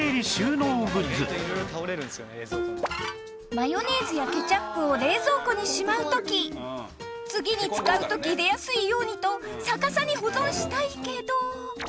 マヨネーズやケチャップを冷蔵庫にしまう時次に使う時出やすいようにと